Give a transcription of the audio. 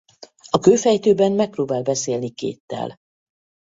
A kőfejtőben megpróbál beszélni Kate-tel.